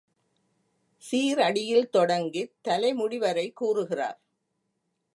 சீறடியில் தொடங்கித் தலைமுடி வரை கூறுகிறார்.